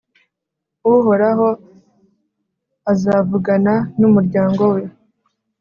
Uhoraho azavugana n’umuryango we.